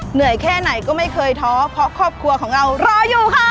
เหนื่อยแค่ไหนก็ไม่เคยท้อเพราะครอบครัวของเรารออยู่ค่ะ